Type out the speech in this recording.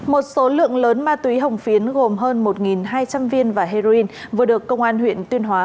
một số lượng lớn ma túy hồng phiến gồm hơn một hai trăm linh viên và heroin vừa được công an huyện tuyên hóa